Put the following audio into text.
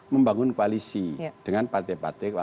membangun koalisi dengan partai partai